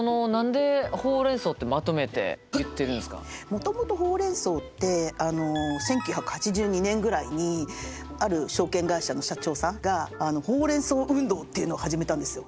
もともとホウ・レン・ソウって１９８２年ぐらいにある証券会社の社長さんがほうれんそう運動っていうのを始めたんですよ。